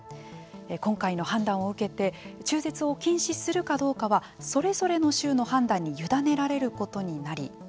今回の判断を受けて中絶を禁止するかどうかはそれぞれの州の判断に委ねられることになり